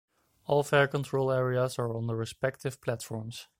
All fare control areas are on the respective platforms.